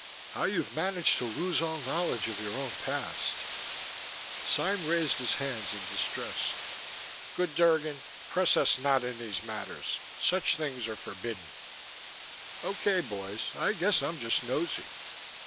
How you've managed to lose all knowledge of your own past " Sime raised his hands in distress. "Good Drgon, press us not in these matters. Such things are forbidden." "Okay, boys. I guess I'm just nosy."